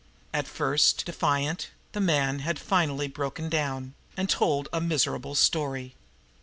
At first defiant, the man had finally broken down, and had told a miserable story.